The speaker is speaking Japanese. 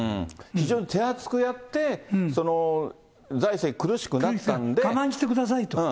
非常に手厚くやって、財政苦しくなったんで。我慢してくださいと。